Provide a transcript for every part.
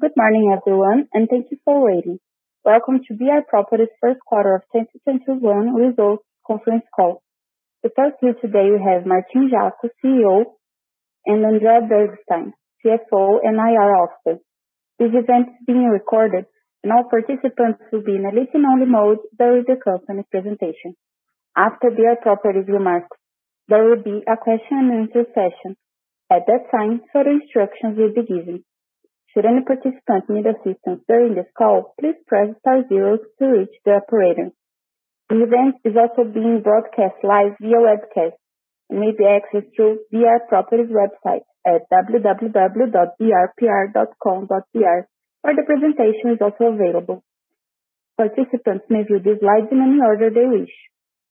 Good morning, everyone, and thank you for waiting. Welcome to BR Properties' first quarter of 2021 results conference call. To start here today, we have Martín Jaco, CEO, and André Bergstein, CFO and IR Officer. This event is being recorded, and all participants will be in a listen-only mode during the company presentation. After BR Properties remarks, there will be a question-and-answer session. At that time, further instructions will be given. Should any participant need assistance during this call, please press star zero to reach the operator. The event is also being broadcast live via webcast and may be accessed through BR Properties website at www.brpr.com.br, where the presentation is also available. Participants may view the slides in any order they wish.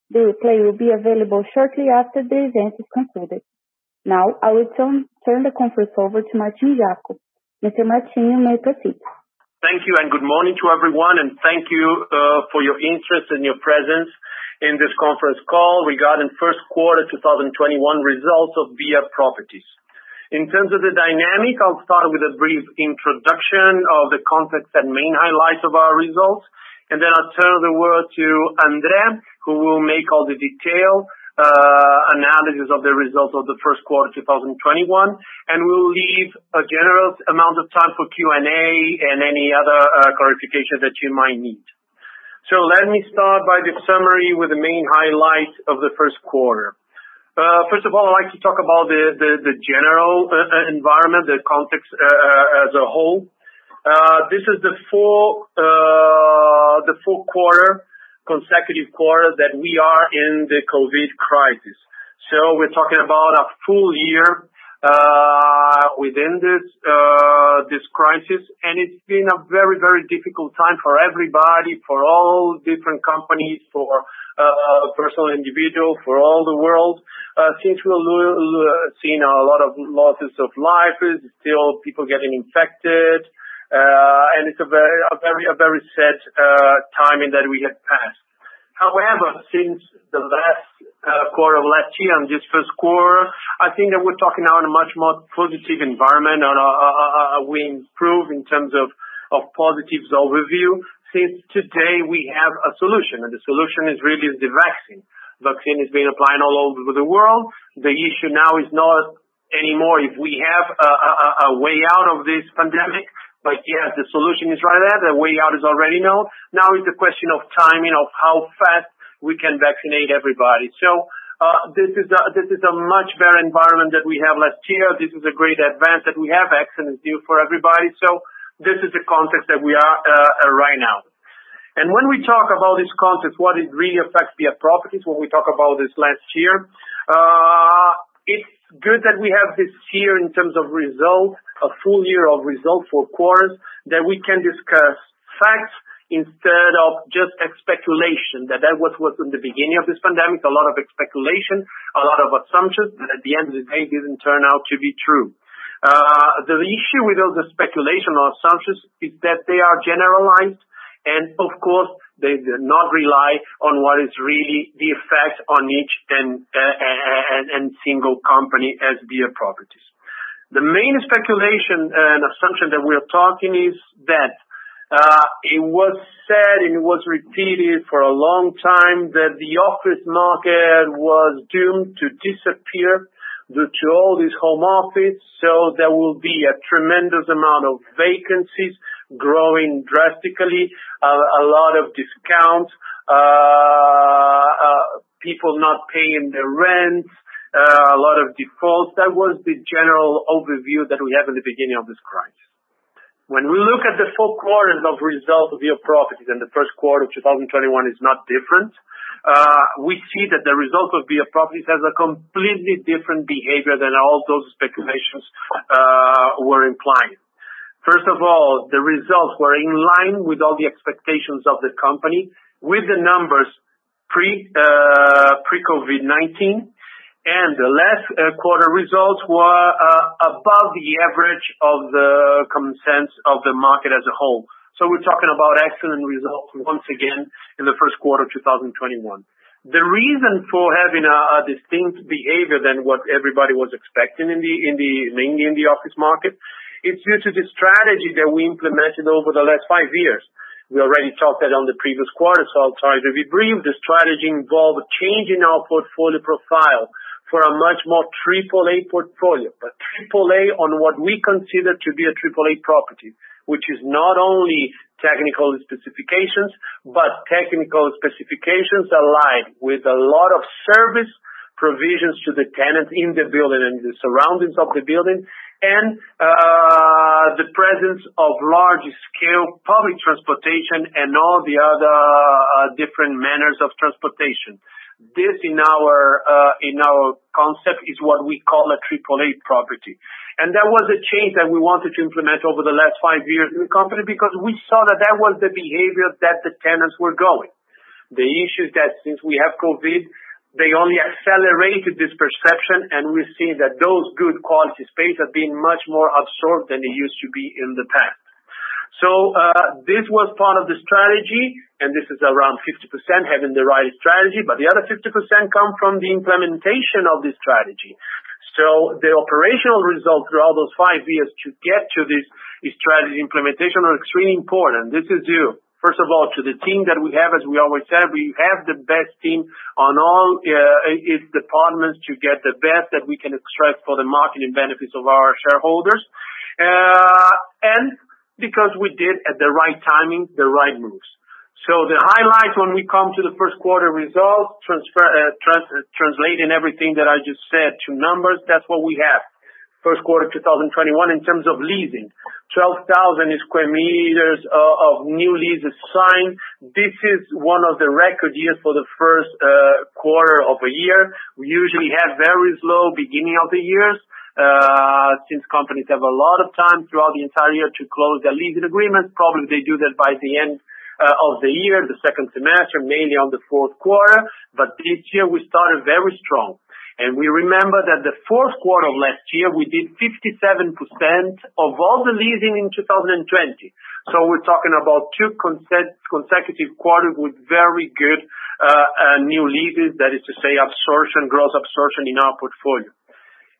The replay will be available shortly after the event is concluded. Now, I will turn the conference over to Martín Jaco. Mr. Martín, you may proceed. Thank you, and good morning to everyone, and thank you for your interest and your presence in this conference call regarding first quarter 2021 results of BR Properties. In terms of the dynamic, I'll start with a brief introduction of the context and main highlights of our results, and then I'll turn the word to André, who will make all the detail analysis of the results of the first quarter 2021, and we'll leave a generous amount of time for Q&A and any other clarification that you might need. Let me start by the summary with the main highlights of the first quarter. First of all, I'd like to talk about the general environment, the context as a whole. This is the fourth consecutive quarter that we are in the COVID crisis. We're talking about a full year within this crisis, and it's been a very, very difficult time for everybody, for all different companies, for personal individuals, for all the world. We've seen a lot of losses of lives, still people getting infected, and it's a very sad time in that we have passed. Since the last quarter of last year and this first quarter, I think that we're talking now in a much more positive environment, and we improve in terms of positive overview since today we have a solution, and the solution is really the vaccine. Vaccine is being applied all over the world. The issue now is not anymore if we have a way out of this pandemic, but yes, the solution is right there. The way out is already known. Now is the question of timing, of how fast we can vaccinate everybody. This is a much better environment that we have last year. This is a great advance that we have, excellent deal for everybody. This is the context that we are right now. When we talk about this context, what it really affects BR Properties when we talk about this last year, it's good that we have this year in terms of results, a full year of results, four quarters, that we can discuss facts instead of just speculation. That was from the beginning of this pandemic, a lot of speculation, a lot of assumptions that at the end of the day, didn't turn out to be true. The issue with all the speculation or assumptions is that they are generalized, and of course, they did not rely on what is really the effect on each and single company as BR Properties. The main speculation and assumption that we're talking is that it was said, and it was repeated for a long time that the office market was doomed to disappear due to all these home offices. There will be a tremendous amount of vacancies growing drastically, a lot of discounts, people not paying their rents, a lot of defaults. That was the general overview that we had in the beginning of this crisis. When we look at the four quarters of results of BR Properties, and the first quarter of 2021 is not different, we see that the results of BR Properties has a completely different behavior than all those speculations were implying. First of all, the results were in line with all the expectations of the company, with the numbers pre-COVID-19, and the last quarter results were above the average of the consensus of the market as a whole. We're talking about excellent results once again in the first quarter of 2021. The reason for having a distinct behavior than what everybody was expecting mainly in the office market, it's due to the strategy that we implemented over the last FIVE years. We already talked that on the previous quarter, I'll try to be brief. The strategy involved changing our portfolio profile for a much more AAA portfolio. AAA on what we consider to be a AAA property, which is not only technical specifications, but technical specifications aligned with a lot of service provisions to the tenants in the building and the surroundings of the building, and the presence of large-scale public transportation and all the other different manners of transportation. This, in our concept, is what we call a AAA property. That was a change that we wanted to implement over the last five years in the company because we saw that that was the behavior that the tenants were going. The issues that since we have COVID, they only accelerated this perception, and we're seeing that those good quality space have been much more absorbed than they used to be in the past. This was part of the strategy, and this is around 50%, having the right strategy, but the other 50% come from the implementation of this strategy. The operational results through all those five years to get to this strategy implementation are extremely important. This is due, first of all, to the team that we have. As we always said, we have the best team on all its departments to get the best that we can extract for the marketing benefits of our shareholders. Because we did, at the right timing, the right moves. The highlights when we come to the first quarter results, translating everything that I just said to numbers, that's what we have. First quarter 2021, in terms of leasing, 12,000 sq m of new leases signed. This is one of the record years for the first quarter of a year. We usually have very slow beginning of the years, since companies have a lot of time throughout the entire year to close their leasing agreements. Probably they do that by the end of the year, the second semester, mainly on the fourth quarter. This year we started very strong. We remember that the fourth quarter of last year, we did 57% of all the leasing in 2020. We're talking about two consecutive quarters with very good new leases. That is to say, gross absorption in our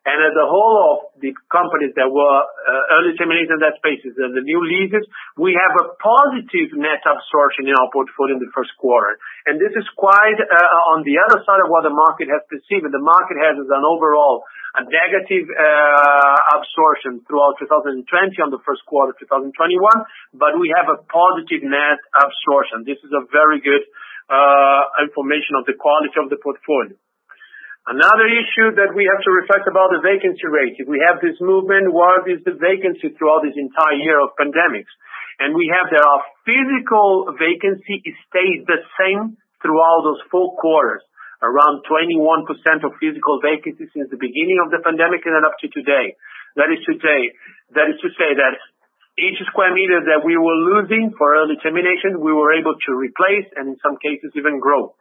portfolio. As a whole of the companies that were early terminated in that space, and the new leases, we have a positive net absorption in our portfolio in the first quarter. This is quite on the other side of what the market has perceived, and the market has an overall negative absorption throughout 2020 on the first quarter 2021, but we have a positive net absorption. This is a very good information of the quality of the portfolio. Another issue that we have to reflect about the vacancy rate. If we have this movement, where is the vacancy throughout this entire year of pandemics? We have that our physical vacancy stayed the same throughout those four quarters, around 21% of physical vacancy since the beginning of the pandemic and up to today. That is to say that each square meter that we were losing for early termination, we were able to replace, and in some cases even grow.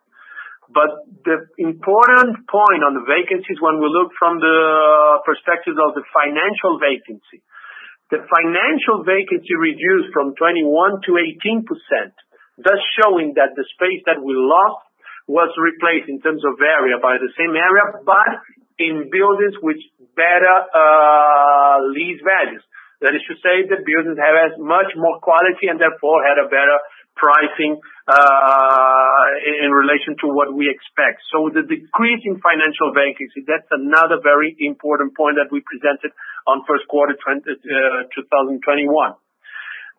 The important point on the vacancies when we look from the perspective of the financial vacancy. The financial vacancy reduced from 21% to 18%, thus showing that the space that we lost was replaced in terms of area by the same area, but in buildings with better lease values. That is to say, the buildings have as much more quality and therefore had a better pricing in relation to what we expect. The decrease in financial vacancy, that's another very important point that we presented on first quarter 2021.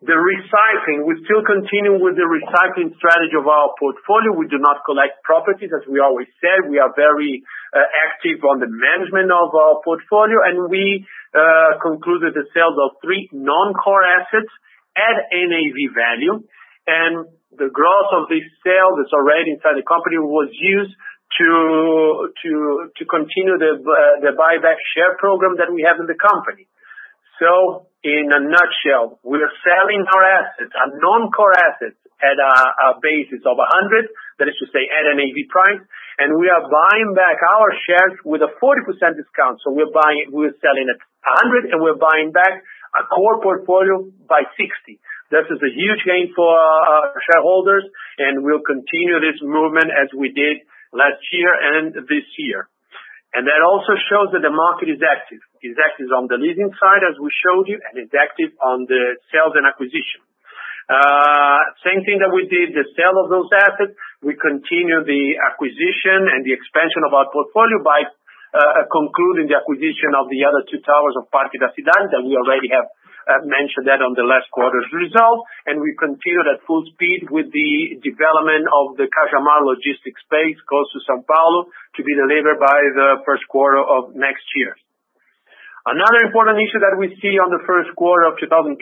The recycling. We still continue with the recycling strategy of our portfolio. We do not collect properties. As we always said, we are very active on the management of our portfolio, and we concluded the sales of three non-core assets at NAV value. The growth of this sale that's already inside the company was used to continue the buyback share program that we have in the company. In a nutshell, we are selling our assets, our non-core assets, at a basis of 100, that is to say, at NAV price, and we are buying back our shares with a 40% discount. We're selling at 100, and we're buying back our core portfolio by 60. This is a huge gain for our shareholders, and we'll continue this movement as we did last year and this year. That also shows that the market is active. It is active on the leasing side, as we showed you, and is active on the sales and acquisition. Same thing that we did, the sale of those assets. We continue the acquisition and the expansion of our portfolio by concluding the acquisition of the other two towers of Parque da Cidade, that we already have mentioned that on the last quarter's result. We continued at full speed with the development of the Cajamar logistics space, close to São Paulo, to be delivered by the first quarter of next year. Another important issue that we see on the first quarter of 2021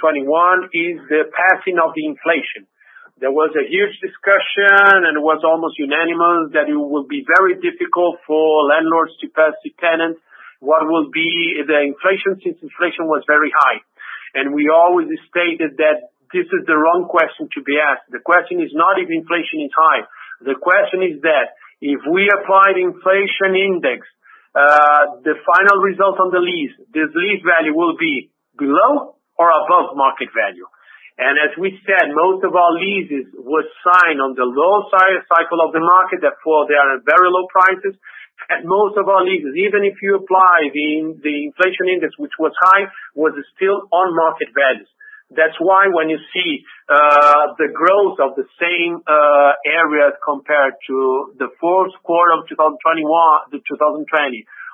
is the passing of the inflation. There was a huge discussion, it was almost unanimous that it would be very difficult for landlords to pass to tenants what will be the inflation, since inflation was very high. We always stated that this is the wrong question to be asked. The question is not if inflation is high. The question is that if we apply the inflation index, the final result on the lease, this lease value will be below or above market value. As we said, most of our leases were signed on the low cycle of the market, therefore, they are at very low prices. Most of our leases, even if you apply the inflation index, which was high, was still on market values. That's why when you see the growth of the same areas compared to the fourth quarter of 2020,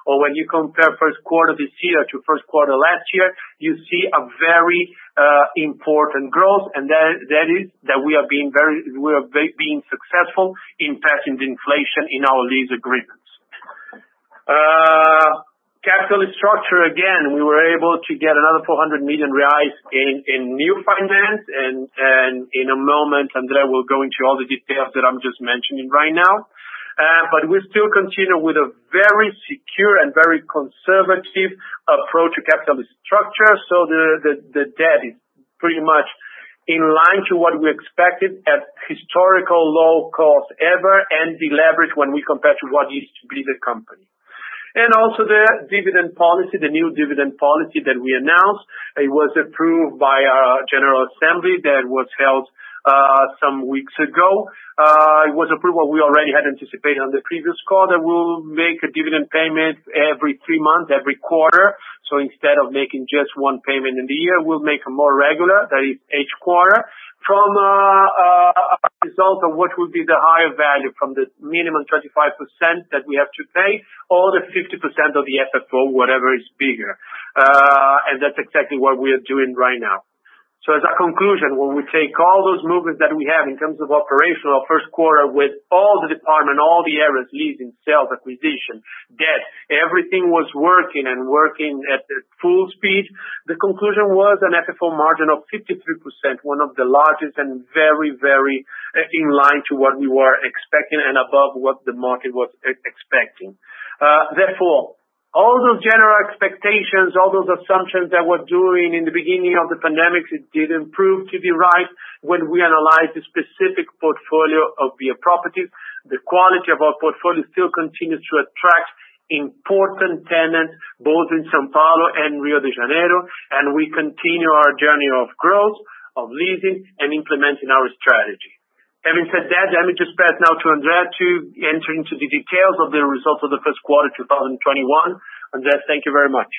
or when you compare first quarter this year to first quarter last year, you see a very important growth. That is that we are being successful in passing the inflation in our lease agreements. Capital structure. We were able to get another 400 million reais in new finance. In a moment, André will go into all the details that I'm just mentioning right now. We still continue with a very secure and very conservative approach to capital structure. The debt is pretty much in line to what we expected at historical low cost ever. Deleveraged when we compare to what used to be the company. Also the dividend policy, the new dividend policy that we announced, it was approved by our general assembly that was held some weeks ago. It was approved what we already had anticipated on the previous call that we'll make a dividend payment every three months, every quarter. Instead of making just one payment in the year, we'll make more regular, that is each quarter, from a result of what will be the higher value from the minimum 35% that we have to pay, or the 50% of the FFO, whatever is bigger. That's exactly what we are doing right now. As a conclusion, when we take all those movements that we have in terms of operational first quarter with all the department, all the areas, leasing, sales, acquisition, debt, everything was working and working at full speed. The conclusion was an FFO margin of 53%, one of the largest and very, very in line to what we were expecting and above what the market was expecting. Therefore, all those general expectations, all those assumptions that we're doing in the beginning of the pandemic, it didn't prove to be right when we analyzed the specific portfolio of BR Properties. The quality of our portfolio still continues to attract important tenants both in São Paulo and Rio de Janeiro, and we continue our journey of growth, of leasing, and implementing our strategy. Having said that, let me just pass now to André to enter into the details of the results of the first quarter 2021. André, thank you very much.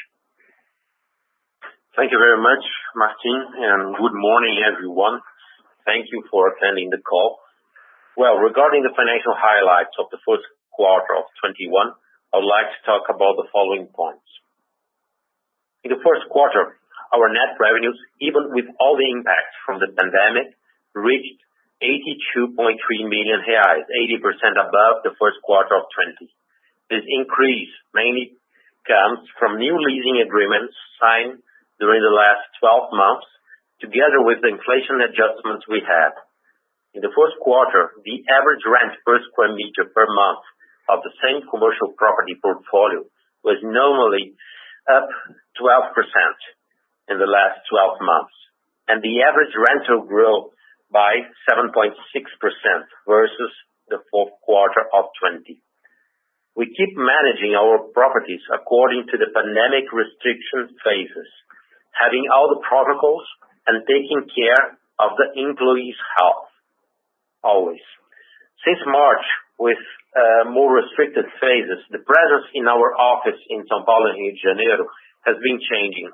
Thank you very much, Martín, and good morning, everyone. Thank you for attending the call. Well, regarding the financial highlights of the first quarter of 2021, I would like to talk about the following points. In the first quarter, our net revenues, even with all the impacts from the pandemic, reached 82.3 million reais, 80% above the first quarter of 2020. This increase mainly comes from new leasing agreements signed during the last 12 months, together with the inflation adjustments we had. In the first quarter, the average rent per square meter per month of the same commercial property portfolio was nominally up 12% in the last 12 months, and the average rental grew by 7.6% versus the fourth quarter of 2020. We keep managing our properties according to the pandemic restriction phases, having all the protocols and taking care of the employees' health always. Since March, with more restricted phases, the presence in our office in São Paulo and Rio de Janeiro has been changing.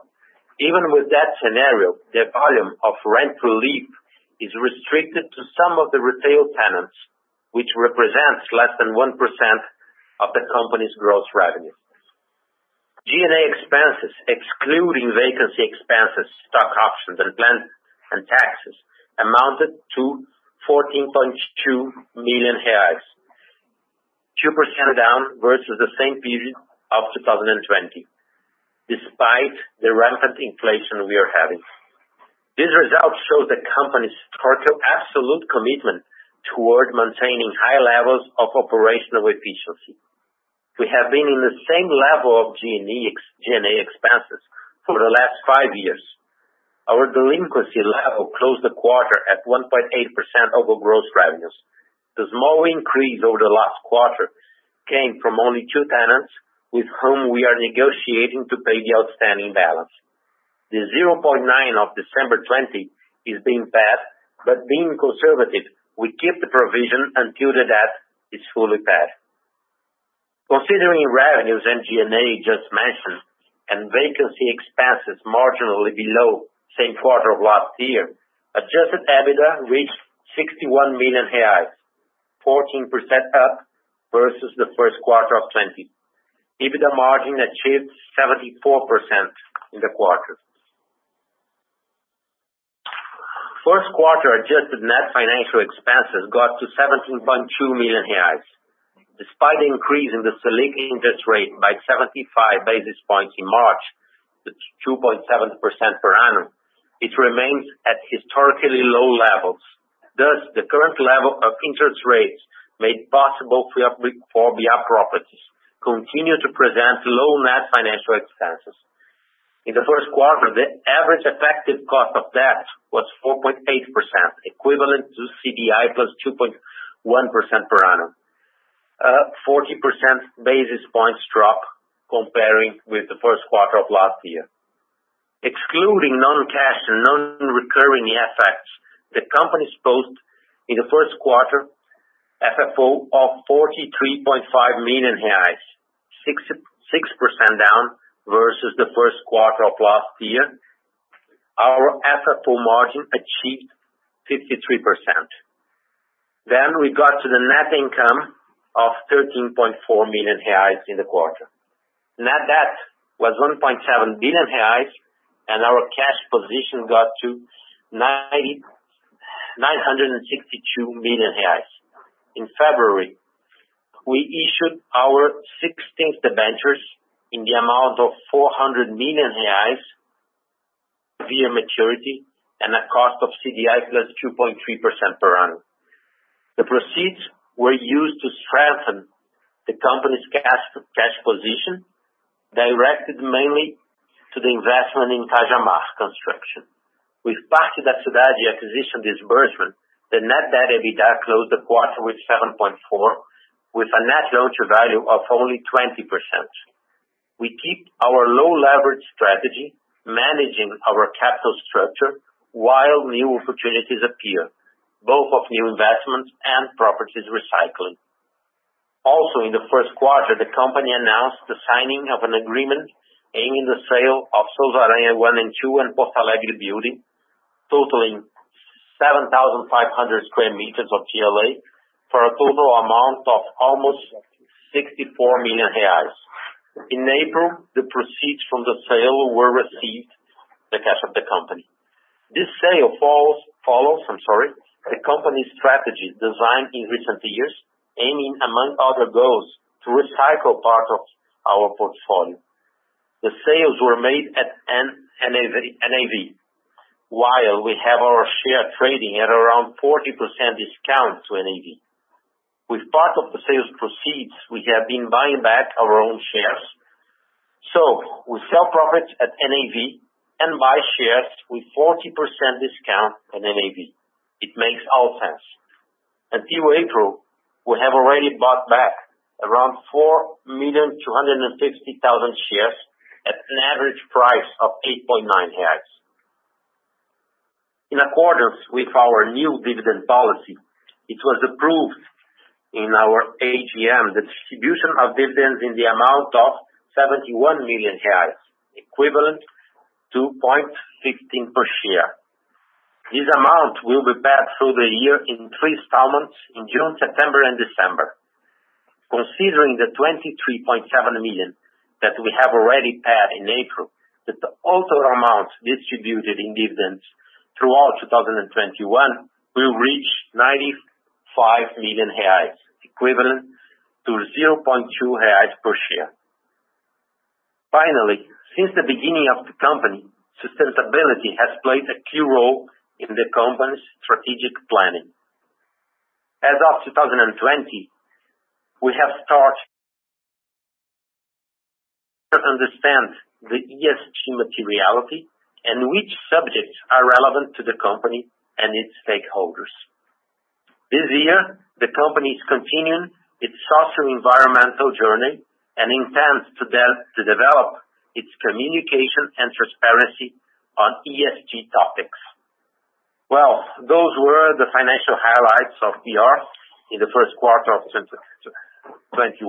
Even with that scenario, the volume of rent relief is restricted to some of the retail tenants, which represents less than 1% of the company's gross revenue. G&A expenses excluding vacancy expenses, stock options, and taxes, amounted to BRL 14.2 million, 2% down versus the same period of 2020, despite the rampant inflation we are having. These results show the company's total absolute commitment toward maintaining high levels of operational efficiency. We have been in the same level of G&A expenses for the last five years. Our delinquency level closed the quarter at 1.8% of our gross revenues. The small increase over the last quarter came from only two tenants with whom we are negotiating to pay the outstanding balance. The 0.9 of December 2020 is being paid. Being conservative, we keep the provision until the debt is fully paid. Considering revenues and G&A just mentioned and vacancy expenses marginally below same quarter of last year, adjusted EBITDA reached 61 million reais, 14% up versus the first quarter of 2020. EBITDA margin achieved 74% in the quarter. First quarter adjusted net financial expenses got to 17.2 million reais. Despite the increase in the Selic interest rate by 75 basis points in March, to 2.7% per annum, it remains at historically low levels. The current level of interest rates made possible for BR Properties continue to present low net financial expenses. In the first quarter, the average effective cost of debt was 4.8%, equivalent to CDI +2.1% per annum, a 40% basis points drop comparing with the first quarter of last year. Excluding non-cash and non-recurring effects, the companies post in the first quarter FFO of 43.5 million reais, 6% down versus the first quarter of last year. Our FFO margin achieved 53%. We got to the net income of 13.4 million reais in the quarter. Net debt was 1.7 billion reais, and our cash position got to 962 million reais. In February, we issued our 16th debentures in the amount of 400 million reais five-year maturity and a cost of CDI +2.3% per annum. The proceeds were used to strengthen the company's cash position. Directed mainly to the investment in Cajamar construction. With Parque da Cidade acquisition disbursement, the net debt EBITDA closed the quarter with 7.4, with a Net Loan to Value of only 20%. We keep our low leverage strategy, managing our capital structure while new opportunities appear, both of new investments and properties recycling. Also in the first quarter, the company announced the signing of an agreement aiming the sale of Souza Aranha one and two and Porto Alegre building, totaling 7,500 sq m of TLA for a total amount of almost 64 million reais. In April, the proceeds from the sale were received, the cash of the company. This sale follows the company's strategy designed in recent years, aiming among other goals, to recycle part of our portfolio. The sales were made at NAV, while we have our share trading at around 40% discount to NAV. We sell properties at NAV and buy shares with 40% discount at NAV. It makes all sense. Until April, we have already bought back around 4,250,000 shares at an average price of 8.9. In accordance with our new dividend policy, it was approved in our AGM, the distribution of dividends in the amount of 71 million reais, equivalent to 0.15 per share. This amount will be paid through the year in three installments in June, September, and December. Considering the 23.7 million that we have already paid in April, that the total amounts distributed in dividends throughout 2021 will reach 95 million reais, equivalent to 0.2 reais per share. Since the beginning of the company, sustainability has played a key role in the company's strategic planning. As of 2020, we have started to understand the ESG materiality and which subjects are relevant to the company and its stakeholders. This year, the company is continuing its social environmental journey and intends to develop its communication and transparency on ESG topics. Well, those were the financial highlights of BR in the first quarter of 2021.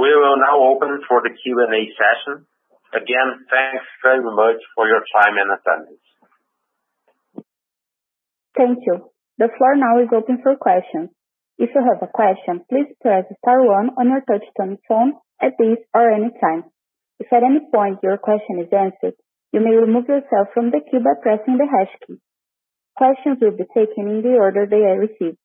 We will now open for the Q&A session. Thanks very much for your time and attendance. Thank you. The floor now is open for questions. If you have a question, please press star one on your touch-tone phone at this or any time. If at any point your question is answered, you may remove yourself from the queue by pressing the hash key. Questions will be taken in the order they are received.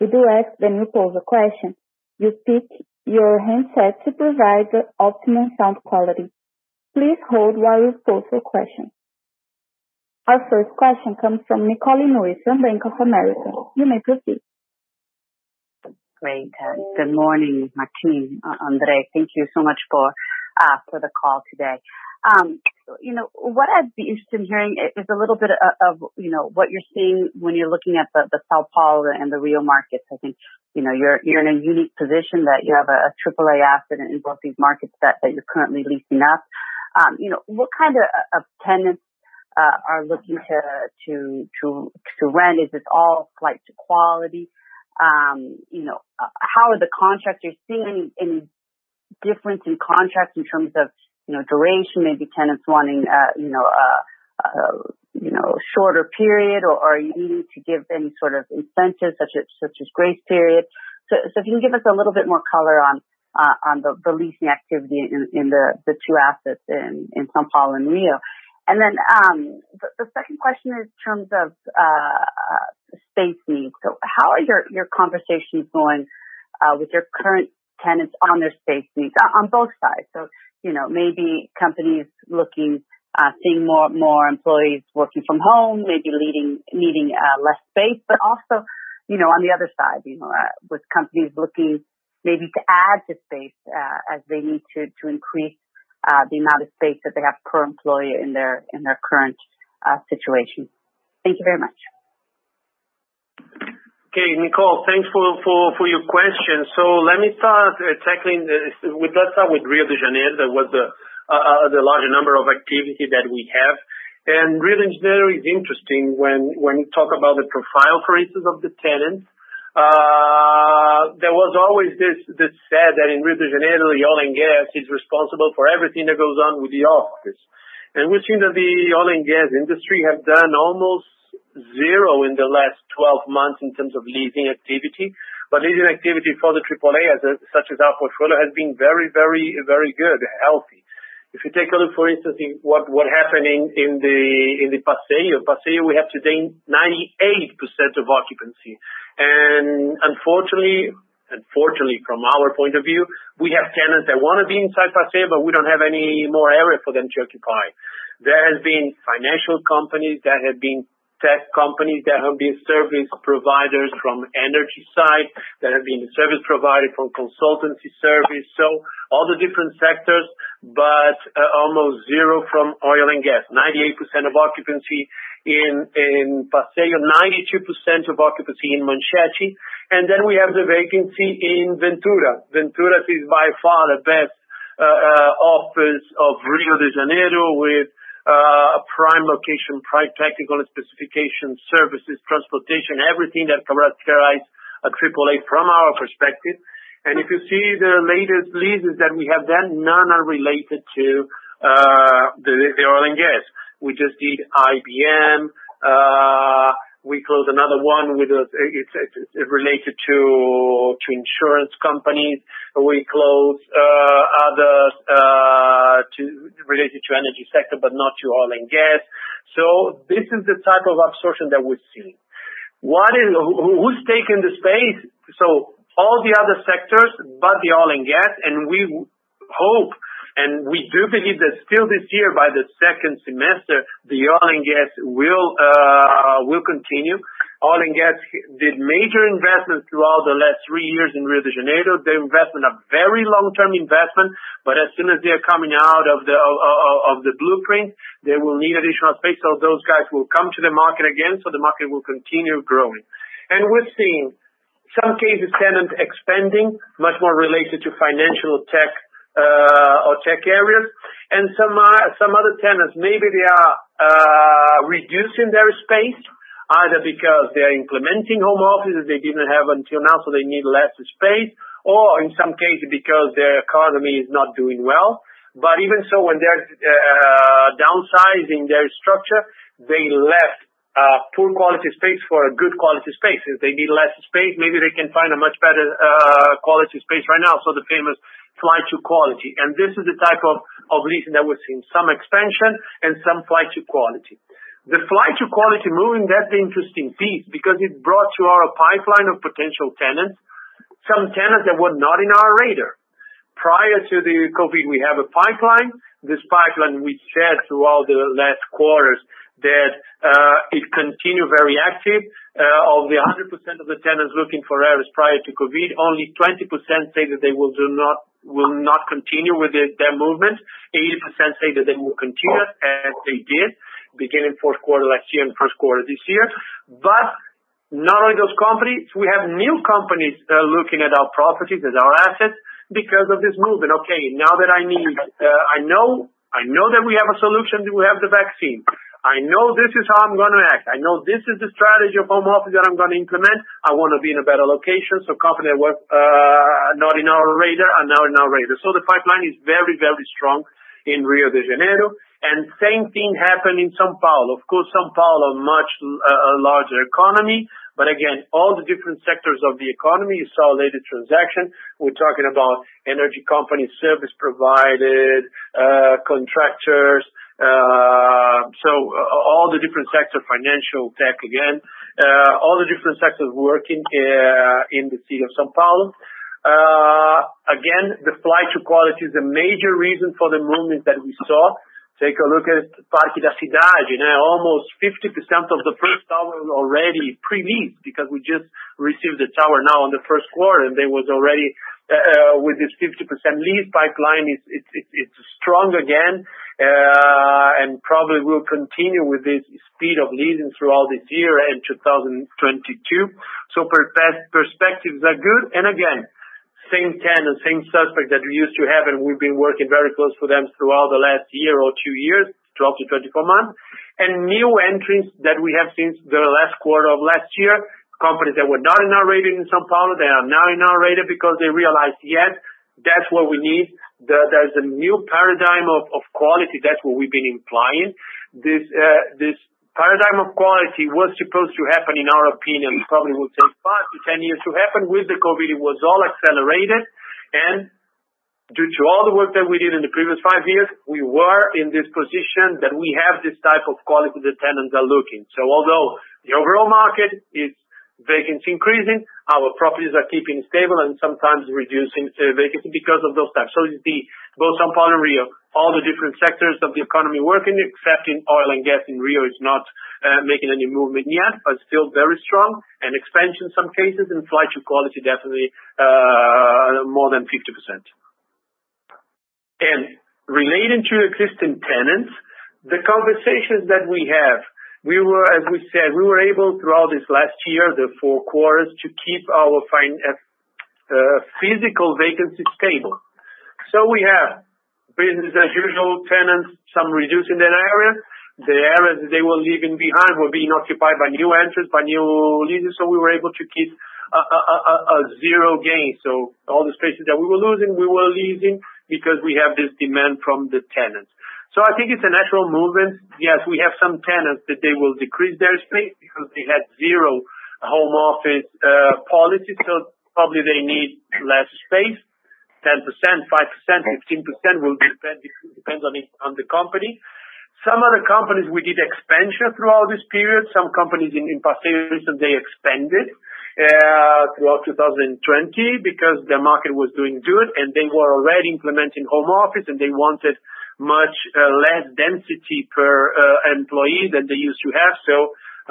We do ask when you pose a question, you speak your handset to provide the optimum sound quality. Please hold while we pose your question. Our first question comes from Nichole Lewis from Bank of America. You may proceed. Great. Good morning, Martín, André. Thank you so much for the call today. What I'd be interested in hearing is a little bit of what you're seeing when you're looking at the São Paulo and the Rio markets. I think you're in a unique position that you have a AAA asset in both these markets that you're currently leasing up. What kind of tenants are looking to rent? Is this all flight to quality? How are the contractors seeing any difference in contracts in terms of duration, maybe tenants wanting a shorter period, or are you needing to give any sort of incentives such as grace periods? If you can give us a little bit more color on the leasing activity in the two assets in São Paulo and Rio. The second question is in terms of space needs. How are your conversations going with your current tenants on their space needs on both sides? Maybe companies seeing more employees working from home, maybe needing less space, but also, on the other side, with companies looking maybe to add to space, as they need to increase the amount of space that they have per employee in their current situation. Thank you very much. Nicole. Thanks for your question. Let me start tackling this. Let's start with Rio de Janeiro. That was the larger number of activity that we have. Rio de Janeiro is interesting when you talk about the profile, for instance, of the tenants. There was always this saying that in Rio de Janeiro, the oil and gas is responsible for everything that goes on with the office. We've seen that the oil and gas industry have done almost zero in the last 12 months in terms of leasing activity. Leasing activity for the AAA such as our portfolio has been very good and healthy. If you take a look, for instance, in what happened in the Passeio. Passeio, we have today 98% of occupancy. Unfortunately from our point of view, we have tenants that want to be inside Passeio Corporate, but we don't have any more area for them to occupy. There have been financial companies, there have been tech companies, there have been service providers from energy side, there have been service provider from consultancy service. All the different sectors, but almost zero from oil and gas. 98% of occupancy in Passeio, 92% of occupancy in Manchete. We have the vacancy in Ventura. Ventura is by far the best office of Rio de Janeiro with a prime location, prime technical specification, services, transportation, everything that characterize a AAA from our perspective. If you see the latest leases that we have done, none are related to the oil and gas. We just did IBM. We closed another one related to insurance companies. We closed others related to energy sector, but not to oil and gas. This is the type of absorption that we're seeing. Who's taking the space? All the other sectors, but the oil and gas, and we hope, and we do believe that still this year, by the second semester, the oil and gas will continue. Oil and gas did major investments throughout the last three years in Rio de Janeiro. They invest in a very long-term investment, but as soon as they're coming out of the blueprint, they will need additional space. So those guys will come to the market again, so the market will continue growing. We're seeing some cases, tenants expanding, much more related to financial tech or tech areas. Some other tenants, maybe they are reducing their space, either because they're implementing home offices they didn't have until now, so they need less space, or in some cases, because their economy is not doing well. Even so, when they're downsizing their structure, they left poor quality space for a good quality space. If they need less space, maybe they can find a much better quality space right now. The famous flight to quality. This is the type of leasing that we're seeing, some expansion and some flight to quality. The flight to quality movement, that's the interesting piece because it brought to our pipeline of potential tenants, some tenants that were not in our radar. Prior to the COVID, we have a pipeline. This pipeline we shared throughout the last quarters that it continued very active. Of the 100% of the tenants looking for areas prior to COVID, only 20% say that they will not continue with their movement. 80% say that they will continue as they did beginning fourth quarter last year and first quarter this year. Not only those companies, we have new companies looking at our properties, at our assets because of this movement. Okay, now that I know that we have a solution, we have the vaccine. I know this is how I'm going to act. I know this is the strategy of home office that I'm going to implement. I want to be in a better location. Companies that were not in our radar are now in our radar. The pipeline is very strong in Rio de Janeiro. Same thing happened in São Paulo. Of course, São Paulo, much larger economy, but again, all the different sectors of the economy, you saw latest transaction. We're talking about energy company, service provided, contractors. All the different sectors, financial, tech, again, all the different sectors working in the city of São Paulo. Again, the flight to quality is a major reason for the movement that we saw. Take a look at Parque da Cidade. Almost 50% of the first tower already pre-leased because we just received the tower now in the first quarter, and they was already with this 50% lease pipeline. Probably will continue with this speed of leasing throughout this year and 2022. Perspectives are good. Again, same tenant, same suspect that we used to have, and we've been working very close with them throughout the last year or two years, 12-24 months. N ew entrants that we have seen the last quarter of last year, companies that were not in our radar in São Paulo, they are now in our radar because they realized, yes, that's what we need. There's a new paradigm of quality. That's what we've been implying. This paradigm of quality was supposed to happen, in our opinion, probably would take 5-10 years to happen. With COVID, it was all accelerated, and due to all the work that we did in the previous five years, we were in this position that we have this type of quality the tenants are looking. Although the overall market is vacancy increasing, our properties are keeping stable and sometimes reducing vacancy because of those types. It's both São Paulo and Rio, all the different sectors of the economy working, except in oil and gas in Rio is not making any movement yet, still very strong and expansion some cases and flight to quality definitely more than 50%. Relating to existing tenants, the conversations that we have, as we said, we were able throughout this last year, the four quarters, to keep our physical vacancy stable. We have business as usual tenants, some reducing their area. The areas they were leaving behind were being occupied by new entrants, by new leases. We were able to keep a zero gain. All the spaces that we were losing, we were leasing because we have this demand from the tenants. I think it's a natural movement. Yes, we have some tenants that they will decrease their space because they had zero home office policy, so probably they need less space, 10%, 5%, 15%, will depend on the company. Some other companies, we did expansion throughout this period. Some companies in Passeio Corporate recently expanded throughout 2020 because the market was doing good and they were already implementing home office and they wanted much less density per employee than they used to have.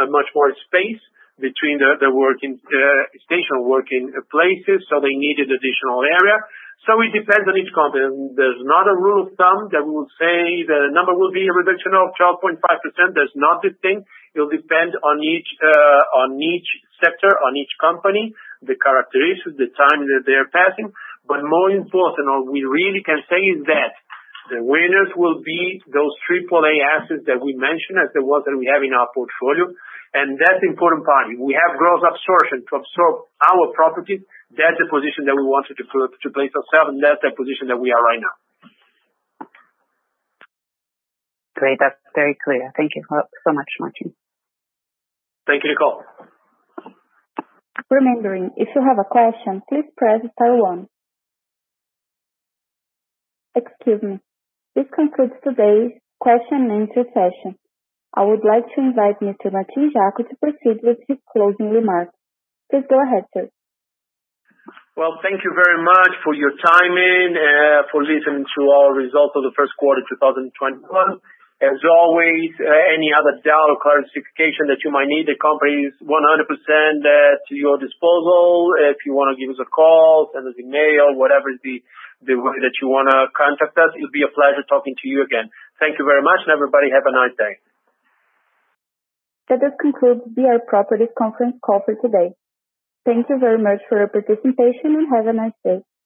Much more space between the working station, working places, so they needed additional area. It depends on each company. There's not a rule of thumb that we will say the number will be a reduction of 12.5%. There's not this thing. It will depend on each sector, on each company, the characteristics, the time that they are passing. More important, all we really can say is that the winners will be those AAA assets that we mentioned as the ones that we have in our portfolio. That's the important part. We have growth absorption to absorb our properties. That's the position that we wanted to place ourselves, and that's the position that we are right now. Great. That's very clear. Thank you so much, Martín. Thank you, Nicole. Remindering, if you have a question, please press star one. Excuse me. This concludes today's question-and-answer session. I would like to invite Mr. Martín Jaco to proceed with his closing remarks. Please go ahead, sir. Well, thank you very much for your time and for listening to our results of the first quarter 2021. As always, any other doubt or clarification that you might need, the company is 100% at your disposal. If you want to give us a call, send us an email, whatever is the way that you want to contact us, it'll be a pleasure talking to you again. Thank you very much, and everybody have a nice day. That does conclude the BR Properties conference call for today. Thank you very much for your participation, and have a nice day.